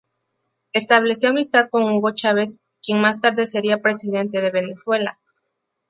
Estableció amistad con Hugo Chávez quien más tarde sería presidente de Venezuela.